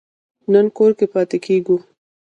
نن کور کې پاتې کیږو